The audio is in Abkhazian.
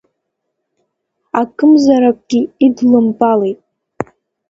Акымзаракгьы идлымбалеит.